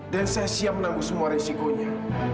dan saya siap menangguh semua resikonya